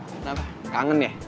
kenapa kangen ya